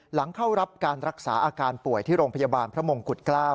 หลังเข้ารับการรักษาอาการป่วยที่โรงพยาบาลพระมงกุฎเกล้า